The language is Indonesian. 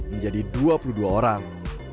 menjadi dua puluh dua orang